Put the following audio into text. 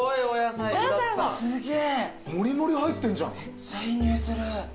めっちゃいい匂いする。